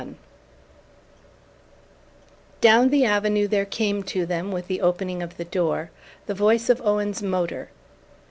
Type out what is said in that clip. XXI Down the avenue there came to them, with the opening of the door, the voice of Owen's motor.